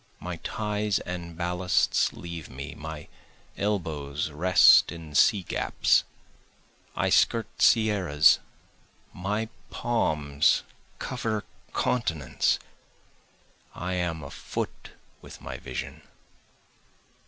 My ties and ballasts leave me, my elbows rest in sea gaps, I skirt sierras, my palms cover continents, I am afoot with my vision.